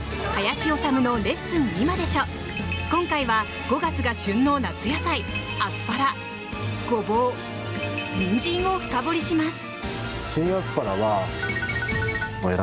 今回は５月が旬の夏野菜アスパラ、ゴボウ、ニンジンを深掘りします！